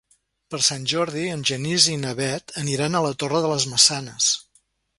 Per Sant Jordi en Genís i na Bet aniran a la Torre de les Maçanes.